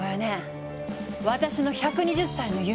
私の１２０歳の夢！